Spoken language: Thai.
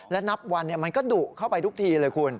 และนับวันมันก็ดุเข้าไปทุกทีเลยคุณ